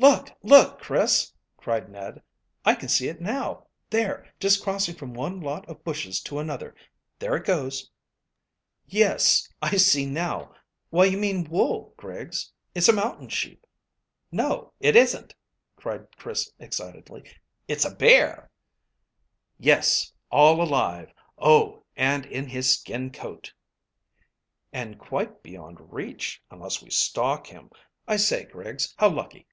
"Look, look, Chris," cried Ned; "I can see it now there, just crossing from one lot of bushes to another. There it goes." "Yes, I see now. Why, you mean wool, Griggs. It's a mountain sheep. No, it isn't," cried Chris excitedly; "it's a bear." "Yes, all alive, oh! and in his skin coat." "And quite beyond reach, unless we stalk him. I say, Griggs, how lucky!